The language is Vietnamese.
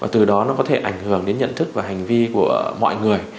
từ đó nó có thể ảnh hưởng đến nhận thức và hành vi của mọi người